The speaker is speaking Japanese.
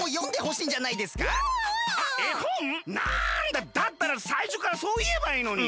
だったらさいしょからそういえばいいのに。